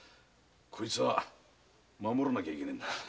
こいつは守らなきゃいけねぇんだ。